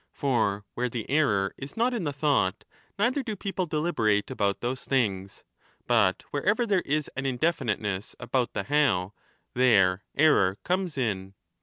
For where the error is not in the thought, neither do people deliberate about those things. But wherever there is an indefiniteness about the how, there error comes in.